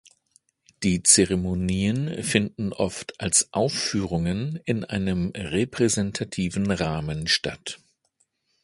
Die Zeremonien finden oft als Aufführungen in einem repräsentativen Rahmen statt.